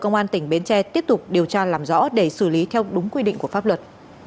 công an tỉnh bến tre tiếp tục điều tra làm rõ để xử lý theo đúng quy định của pháp luật